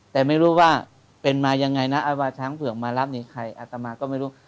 แต่ไม่รู้ว่าเป็นมายังไงนะอาวาช้างเผือกมารับนี่ใครอัตมาก็ไม่รู้